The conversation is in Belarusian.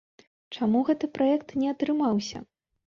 Чаму гэты праект не атрымаўся?